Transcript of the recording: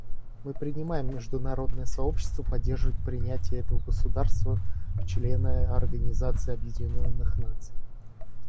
Мы призываем международное сообщество поддержать принятие этого государства в члены Организации Объединенных Наций.